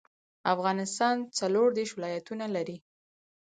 افغانستان څلوردیش ولایتونه لري.